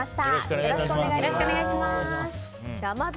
よろしくお願いします。